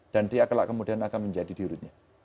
dan dia kelak kemudian akan menjadi diurutnya